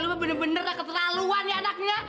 lu bener bener gak keterlaluan ya anaknya